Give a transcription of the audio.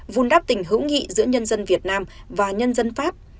vùn đắp tình hữu nghị giữa nhân dân việt nam và nhân dân pháp